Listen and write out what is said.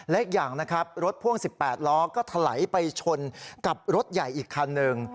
และอีกอย่างนะครับรถพ่วง๑๘ล้อก็ถลายไปชนกับรถใหญ่อีกคันหนึ่ง